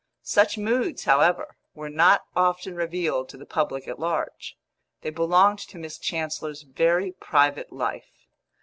Such moods, however, were not often revealed to the public at large; they belonged to Miss Chancellor's very private life.